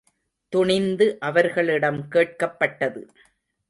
துணிந்து அவர்களிடம் கேட்கப்பட்டது.